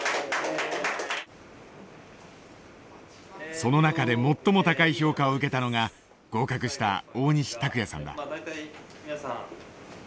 その中で最も高い評価を受けたのが合格した大西卓哉さんだ。